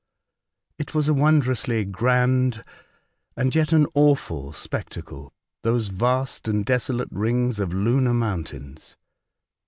It was a won drously grand, and yet an awful, spectacle, — those vast and desolate rings of lunar moun tains.